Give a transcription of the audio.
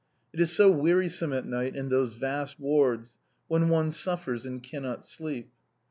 It is so wearisome at night in those vast wards, when one suffers and cannot sleep.